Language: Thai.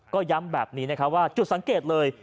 ก็ย้ำแบบนี้นะครับว่าจุดสังเกตเลย